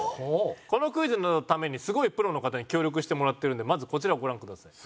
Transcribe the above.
このクイズのためにすごいプロの方に協力してもらってるんでまずこちらをご覧ください。